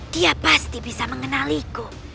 dia pasti bisa mengenaliku